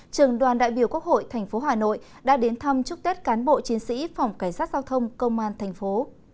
trường đoàn đại biểu quốc hội tp hà nội đã đến thăm chúc tết cán bộ chiến sĩ phòng cảnh sát giao thông công an thành phố